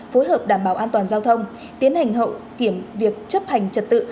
phối hợp đảm bảo an toàn giao thông tiến hành hậu kiểm việc chấp hành trật tự